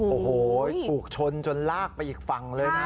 โอ้โหถูกชนจนลากไปอีกฝั่งเลยนะ